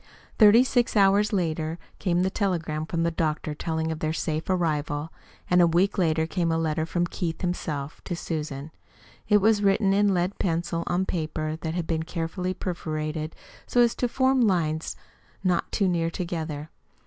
Thirty six hours later came the telegram from the doctor telling of their safe arrival, and a week later came a letter from Keith himself to Susan. It was written in lead pencil on paper that had been carefully perforated so as to form lines not too near together.